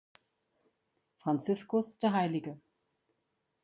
Franziskus, Hl.